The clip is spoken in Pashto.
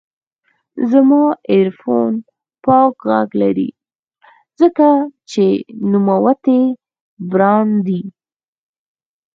زما ایرفون پاک غږ لري، ځکه چې نوموتی برانډ دی.